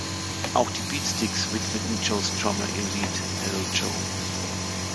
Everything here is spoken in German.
Auch die Beatsteaks widmeten Joe Strummer ihr Lied „Hello Joe“.